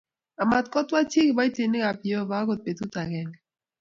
Amotkwotwaa chiik kiboitinki ab Jehovah akot betut agenge